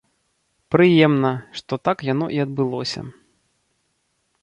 Прыемна, што так яно і адбылося.